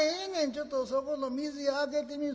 ちょっとそこの水屋開けてみい。